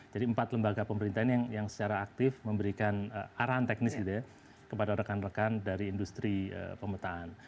jadi empat lembaga pemerintahan yang secara aktif memberikan arahan teknis kepada rekan rekan dari industri pemetaan